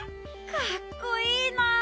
かっこいいな！